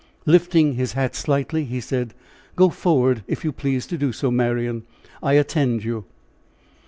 Lifting his hat slightly, he said: "Go forward if you please to do so, Marian. I attend you."